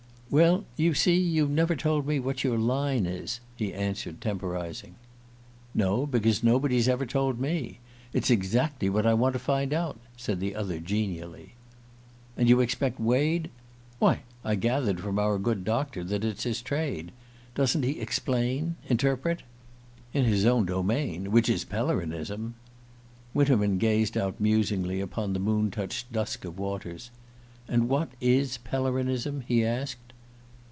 "Well, you see, you've never told me what your line is," he answered, temporizing. "No, because nobody's ever told me. It's exactly what I want to find out," said the other genially. "And you expect Wade ?" "Why, I gathered from our good Doctor that it's his trade. Doesn't he explain interpret?" "In his own domain which is Pellerinism." Winterman gazed out musingly upon the moon touched dusk of waters. "And what is Pellerinism?" he asked.